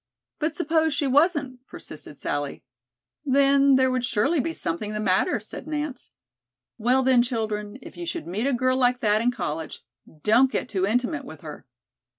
"But suppose she wasn't?" persisted Sally. "Then, there would surely be something the matter," said Nance. "Well, then, children, if you should meet a girl like that in college, don't get too intimate with her."